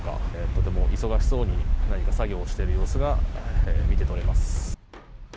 とても忙しそうに作業をしている様子が見て取れます。